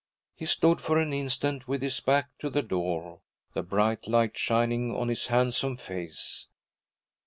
He stood for an instant with his back to the door, the bright light shining on his handsome face.